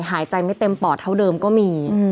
หายใจไม่เต็มปอดเท่าเดิมก็มี